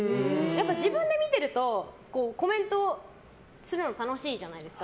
自分で見ているとコメントするの楽しいじゃないですか。